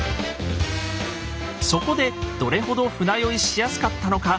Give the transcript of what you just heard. そこでどれほど船酔いしやすかったのか